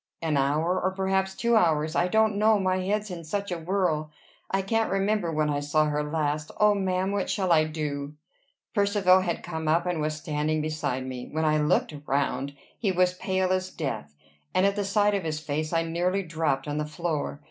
"An hour. Or perhaps two hours. I don't know, my head's in such a whirl. I can't remember when I saw her last. O ma'am! What shall I do?" Percivale had come up, and was standing beside me. When I looked round, he was as pale as death; and at the sight of his face, I nearly dropped on the floor.